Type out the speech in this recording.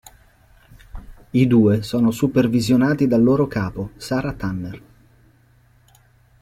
I due sono supervisionati dal loro capo, Sarah Tanner.